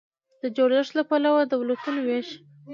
د جوړښت له پلوه د دولتونو وېش